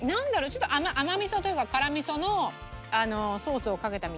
ちょっと甘味噌というか辛味噌のソースをかけたみたいなイメージ。